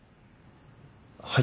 はい。